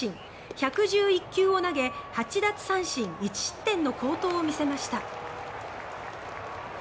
１１１球を投げ８奪三振１失点の好投を見せました。